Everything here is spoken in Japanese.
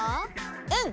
うん。